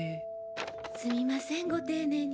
すみませんご丁寧に。